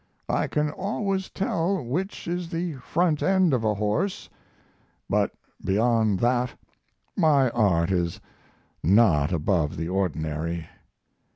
I can always tell which is the front end of a horse, but beyond that my art is not above the ordinary.